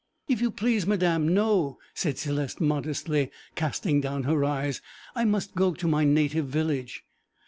'If you please, madam, no,' said Céleste, modestly casting down her eyes; 'I must go to my native village.'